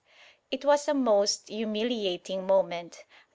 It was a most humiliating moment.